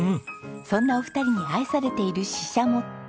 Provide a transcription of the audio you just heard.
そんなお二人に愛されているししゃも。